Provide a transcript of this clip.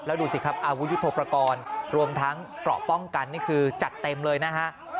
แล้วดูสิครับอาวุธยุทธโปรกรณ์รวมทั้งเกราะป้องกันนี่คือจัดเต็มเลยนะฮะ